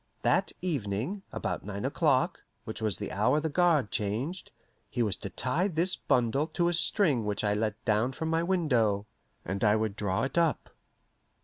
That evening, about nine o'clock, which was the hour the guard changed, he was to tie this bundle to a string which I let down from my window, and I would draw it up.